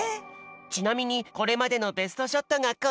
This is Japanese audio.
ちなみにこれまでのベストショットがこれ！